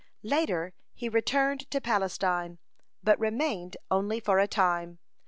(64) Later he returned to Palestine, but remained only for a time.